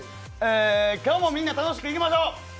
今日もみて、楽しくいきましょう。